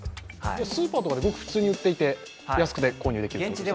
スーパーとかで普通に売っていて、安く購入できると。